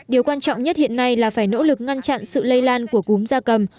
điều quan trọng nhất hiện nay là phải nỗ lực ngăn chặn sự lây lan của cúm da cầm